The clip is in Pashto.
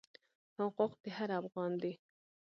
حقوق د هر افغان دی.